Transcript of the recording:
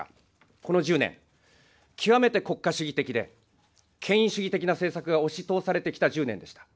この１０年、極めて国家主義的で、権威主義的な政策が押し通されてきた１０年でした。